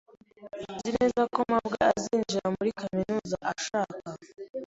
Nzi neza ko mabwa azinjira muri kaminuza ashaka.